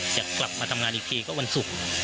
จะกลับมาทำงานอีกทีก็วันศุกร์